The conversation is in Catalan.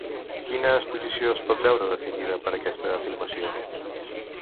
Quina exposició es pot veure definida per aquesta afirmació?